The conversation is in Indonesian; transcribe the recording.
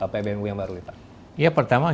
pbnu yang baru ya pertama